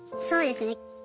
そうですね。